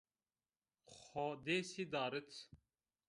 Xo dêsî darit